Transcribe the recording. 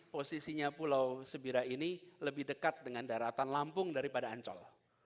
posisinya pulau sebira ini lebih dekat dengan daratan lampung daripada ancol